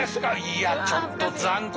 いやちょっと残酷。